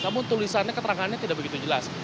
namun tulisannya keterangannya tidak begitu jelas